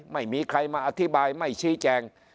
ไม่มีใครมาอธิบายไม่ชี้แจง